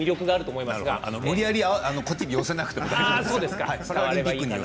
無理やりこっちに寄せないで大丈夫です。